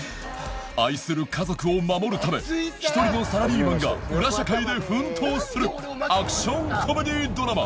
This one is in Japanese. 愛する家族を守るため一人のサラリーマンが裏社会で奮闘するアクションコメディドラマ